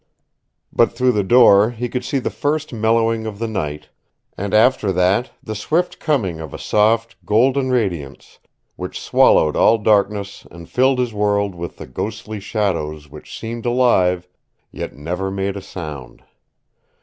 But through the door he could see the first mellowing of the night, and after that the swift coming of a soft, golden radiance which swallowed all darkness and filled his world with the ghostly shadows which seemed alive, yet never made a sound.